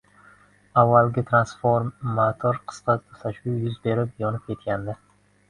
Avvalgi transformator qisqa tutashuv yuz berib yonib ketgandi